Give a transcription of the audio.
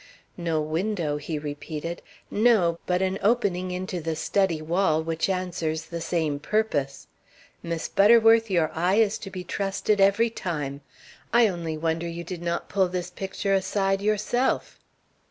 "No window," he repeated. "No, but an opening into the study wall which answers the same purpose. Miss Butterworth, your eye is to be trusted every time. I only wonder you did not pull this picture aside yourself."